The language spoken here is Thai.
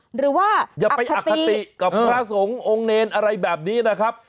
หรือว่าอย่าไปอคติกับพระสงฆ์องค์เนรอะไรแบบนี้นะครับ